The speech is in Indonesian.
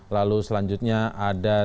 lalu selanjutnya ada